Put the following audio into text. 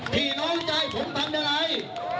พี่น้องใจผมทำยังไง